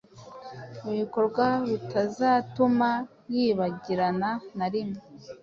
ibikorwa bitazatuma yibagirana narimwe